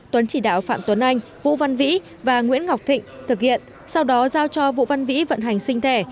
tuấn chỉ đạo phạm tuấn anh vũ văn vĩ và nguyễn ngọc thịnh thực hiện sau đó giao cho vũ văn vĩ vận hành sinh thẻ